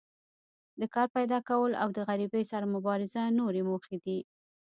د کار پیداکول او د غریبۍ سره مبارزه نورې موخې دي.